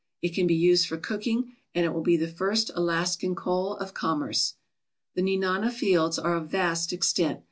It can be used for cooking and it will be the first Alaskan coal of commerce. The Nenana fields are of vast extent.